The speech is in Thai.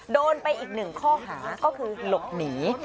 โดนไปอีกหนึ่งข้อหาก็คือหลบหนี